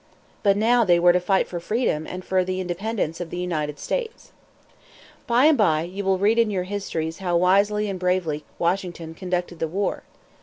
But now they were to fight for freedom and for the independence of the United States. By and by you will read in your histories how wisely and bravely Washington conducted the war.